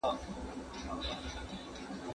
زمريان چي بند شي په پنجره کي هغه مړه وبوله